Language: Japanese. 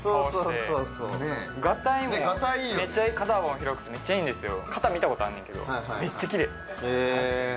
あのめっちゃ肩幅も広くてめっちゃいいんですよ